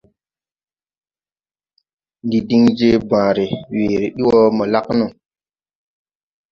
Ndi din je bããre, weere bi wɔ mo lag no.